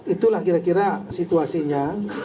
itulah kira kira situasinya